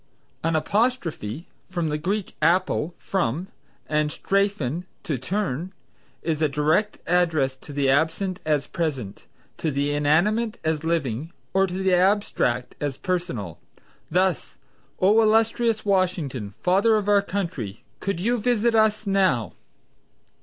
An Apostrophe (from the Greek apo, from, and strephein, to turn), is a direct address to the absent as present, to the inanimate as living, or to the abstract as personal. Thus: "O, illustrious Washington! Father of our Country! Could you visit us now!"